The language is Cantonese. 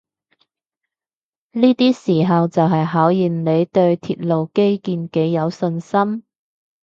呢啲時候就係考驗你對鐵路基建幾有信心